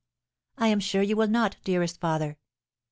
"I am sure you will not, dearest father."